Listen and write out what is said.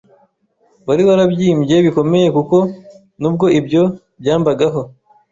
wari warabyimbye bikomeye kuko nubwo ibyo byambagaho